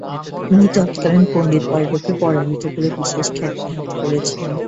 তিনি তৎকালীন পন্ডিতবর্গকে পরাজিত করে বিশেষ খ্যাতি লাভ করেছিলেন।